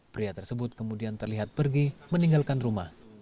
pria tersebut kemudian terlihat pergi meninggalkan rumah